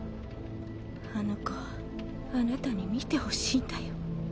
あの子あなたに見て欲しいんだよ。